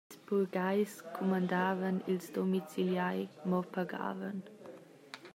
Ils burgheis cumandavan, ils domiciliai mo pagavan.